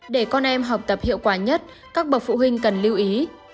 để con em học tập hiệu quả nhất các bậc phụ huynh cần lưu ý